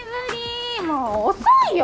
もう遅いよ！